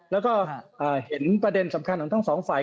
แล้วก็เห็นประเด็นสำคัญของทั้งสองฝ่าย